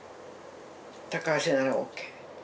高橋姓ならＯＫ。